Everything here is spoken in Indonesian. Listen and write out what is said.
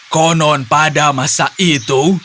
konon pada masa itu